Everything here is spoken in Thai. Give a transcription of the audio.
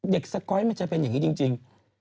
สก๊อยมันจะเป็นอย่างนี้จริง